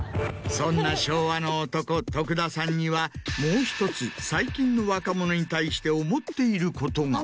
そんな昭和の男徳田さんにはもう１つ最近の若者に対して思っていることが。